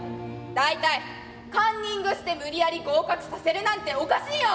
大体カンニングして無理やり合格させるなんておかしいよ！」。